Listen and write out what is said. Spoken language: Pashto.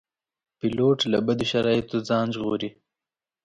پیلوټ له بدو شرایطو ځان ژغوري.